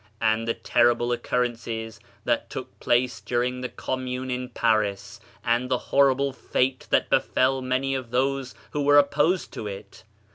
And the terrible occurrences that took place during the Commune in Paris, and the horrible fate that be fell many of those who were opposed to it?